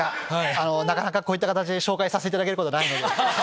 なかなかこういった形で紹介させていただくことないので。